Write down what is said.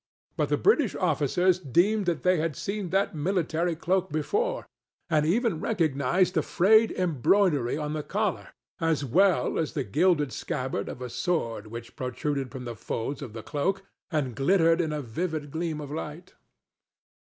But the British officers deemed that they had seen that military cloak before, and even recognized the frayed embroidery on the collar, as well as the gilded scabbard of a sword which protruded from the folds of the cloak and glittered in a vivid gleam of light.